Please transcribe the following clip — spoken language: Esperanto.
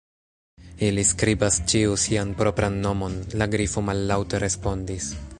"Ili skribas ĉiu sian propran nomon," la Grifo mallaŭte respondis.